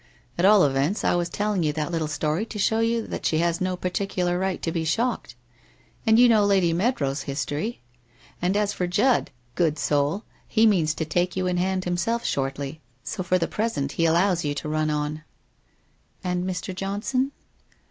At all events, I was telling you that little story to show you that she has no particular right to be shocked. And you know Lady Mead row's history? And as for Judd, good soul, he means to take you in hand himself shortly, so for the present he allows you to run on/ ' And Mr. Johnson